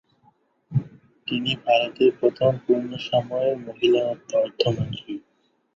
তিনি ভারতের প্রথম পূর্ণ সময়ের মহিলা অর্থমন্ত্রী।